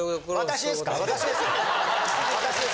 私ですか？